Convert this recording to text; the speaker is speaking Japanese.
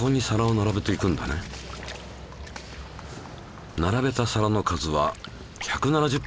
並べた皿の数は１７０個！